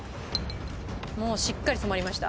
もうしっかり染まりました。